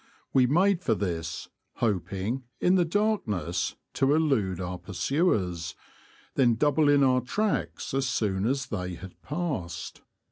We made for this, hoping, in the darkness, to elude our pursuers, then double in our tracks as soon as they had passed.